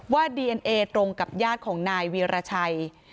ดีเอ็นเอตรงกับญาติของนายวีรชัย